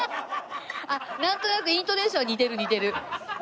なんとなくイントネーションは似てる似てる。